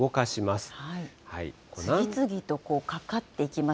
次々とこう、かかっていきま